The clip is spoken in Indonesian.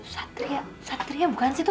satria satria bukan sih itu